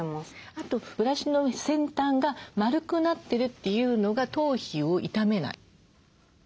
あとブラシの先端が丸くなってるというのが頭皮を傷めない。